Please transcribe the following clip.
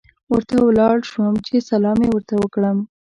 ورته ولاړ شوم چې سلام یې ورته وکړم.